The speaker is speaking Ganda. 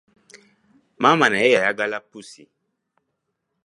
Maama naye yayagala pussi.